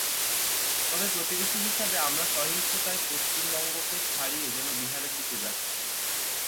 তবে প্রতিবেশী হিসেবে আমরা সহিংসতায় পশ্চিমবঙ্গকে ছাড়িয়ে যেন বিহারের দিকে যাচ্ছি।